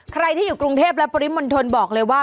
ใครที่อยู่กรุงเทพและปริมณฑลบอกเลยว่า